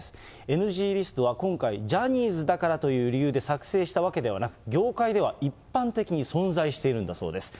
ＮＧリストは今回、ジャニーズだからという理由で作成したわけではなく、業界では一般的に存在しているんだそうです。